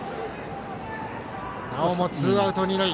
なおもツーアウト二塁。